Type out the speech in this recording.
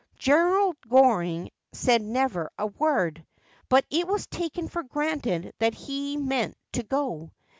Gerald Goring said never a word, but it was taken for granted that he meant to go.